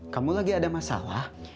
kamu lagi ada masalah